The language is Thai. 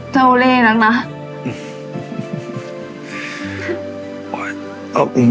จะโอเลแล้วนะ